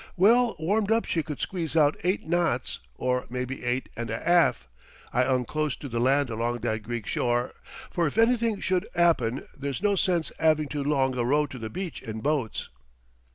Well warmed up she could squeeze out eight knots, or maybe eight and a 'alf. I 'ung close to the land along that Greek shore, for if anything should 'appen ther's no sense 'aving too long a row to the beach in boats.